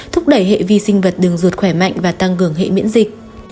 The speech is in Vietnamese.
thúc đẩy hệ vi sinh vật đường ruột khỏe mạnh và tăng cường hệ miễn dịch